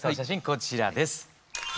こちらです。